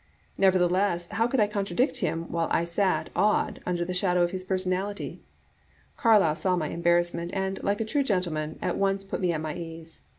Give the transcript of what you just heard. Nevertheless, how could I contradict him while I sat, awed, under the shadow of his personality? Carlyle saw my embarrassment, and, like a true gentleman, at once put me at my ease.